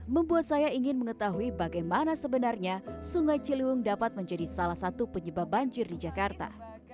membuat saya ingin mengetahui bagaimana sebenarnya sungai ciliwung dapat menjadi salah satu penyebab banjir di jakarta